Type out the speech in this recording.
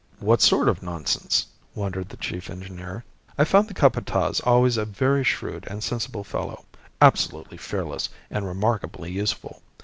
"What sort of nonsense?" wondered the chief engineer. "I found the Capataz always a very shrewd and sensible fellow, absolutely fearless, and remarkably useful.